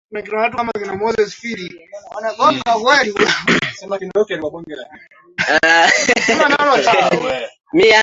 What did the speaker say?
alimtaliki mkewe na kujiimarisha zaidi katika sera za kimaxist